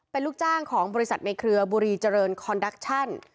เป็นลูกจ้างของบริษัทในเครือบุรีเจริญคอนดักชั่น